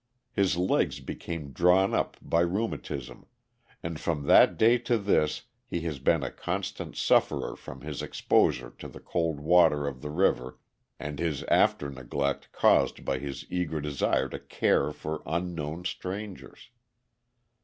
His legs became drawn up by rheumatism, and from that day to this he has been a constant sufferer from his exposure to the cold water of the river and his after neglect caused by his eager desire to care for unknown strangers.